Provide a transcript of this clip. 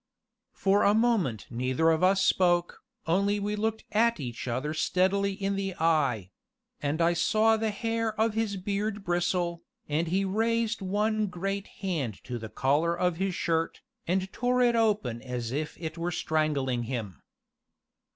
For a moment neither of us spoke, only we looked at each other steadily in the eye; and I saw the hair of his beard bristle, and he raised one great hand to the collar of his shirt, and tore it open as if it were strangling him.